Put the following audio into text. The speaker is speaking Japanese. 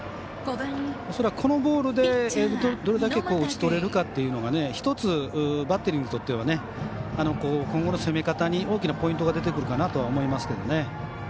恐らくこのボールでどれだけ打ち取れるかというのが１つバッテリーにとっては今後の攻め方に大きなポイントが出てくるかなと思いますけどね。